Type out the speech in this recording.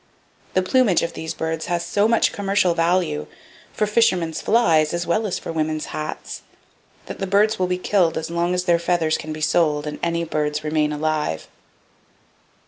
The plumage of these birds has so much commercial value, for fishermen's flies as well as for women's hats, that the birds will be killed as long as their feathers can be sold and any birds remain alive.